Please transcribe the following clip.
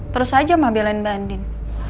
terus aja mah belain mbak andin